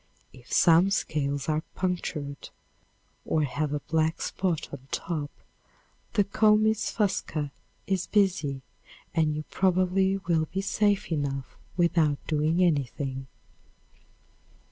If some scales are punctured or have a black spot on top, the comys fusca is busy and you probably will be safe enough without doing anything.